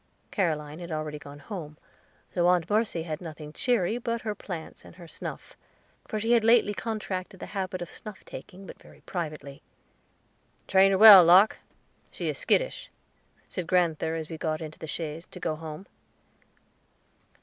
Caroline had already gone home, so Aunt Mercy had nothing cheery but her plants and her snuff; for she had lately contracted the habit of snuff taking but very privately. "Train her well, Locke; she is skittish," said grand'ther as we got into the chaise to go home.